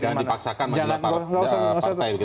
jangan dipaksakan menjadi partai